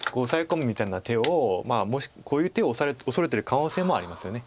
込むみたいな手をこういう手を恐れてる可能性もありますよね。